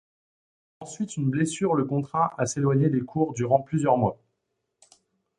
Ensuite une blessure le contraint à s'éloigner des courts durant plusieurs mois.